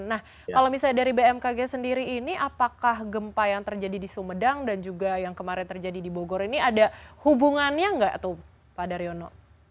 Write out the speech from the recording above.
nah kalau misalnya dari bmkg sendiri ini apakah gempa yang terjadi di sumedang dan juga yang kemarin terjadi di bogor ini ada hubungannya enggak tuh pak daryono